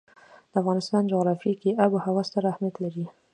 د افغانستان جغرافیه کې آب وهوا ستر اهمیت لري.